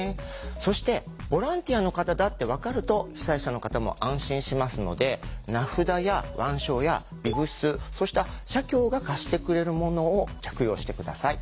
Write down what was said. そしてボランティアの方だって分かると被災者の方も安心しますので名札や腕章やビブスそうした社協が貸してくれるものを着用して下さい。